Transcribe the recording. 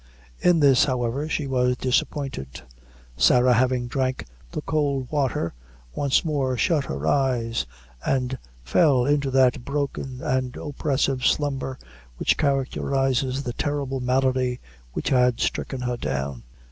In this, however, she was disappointed. Sarah having drank the cold water, once more shut her eyes, and fell into that broken and oppressive slumber which characterizes the terrible malady which had stricken her down.